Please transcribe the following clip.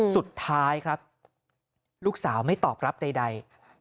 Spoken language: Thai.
สุดท้ายครับลูกสาวไม่ตอบรับใด